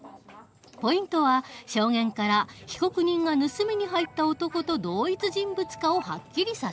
ポイントは証言から被告人が盗みに入った男と同一人物かをはっきりさせる事。